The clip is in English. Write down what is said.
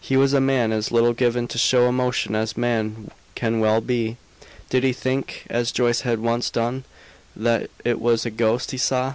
He was a man as little given to show emotion as man can well be. Did he think, as Joyce had once done, that it was a ghost he saw?